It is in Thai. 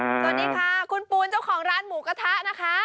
สวัสดีค่ะคุณปูนเจ้าของร้านหมูกระทะนะคะ